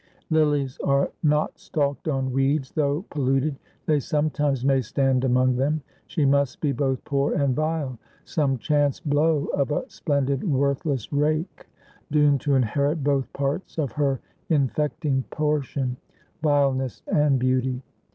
Lilies are not stalked on weeds, though polluted, they sometimes may stand among them. She must be both poor and vile some chance blow of a splendid, worthless rake, doomed to inherit both parts of her infecting portion vileness and beauty.